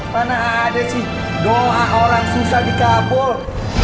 mana ada sih doa orang susah dikabul